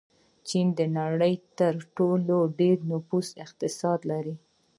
چین د نړۍ تر ټولو ډېر نفوس اقتصاد لري.